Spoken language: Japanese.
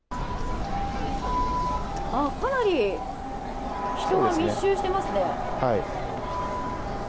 かなり人が密集していますね。